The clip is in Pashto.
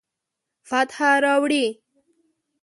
فتح راوړي